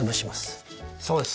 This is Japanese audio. そうです。